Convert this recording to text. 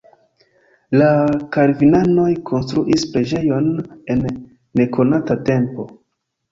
La kalvinanoj konstruis preĝejon en nekonata tempo.